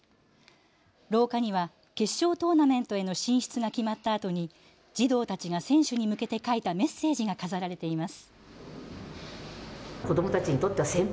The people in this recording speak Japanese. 廊下には決勝トーナメントへの進出が決まったあとに児童たちが選手に向けて書いたメッセージが飾られています。